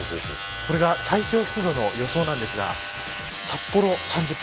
これが最小湿度の予想なんですが札幌３０％